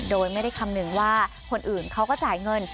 โดยไม่ได้คำนึงว่าคนอื่นเขาก็จ่ายเงิน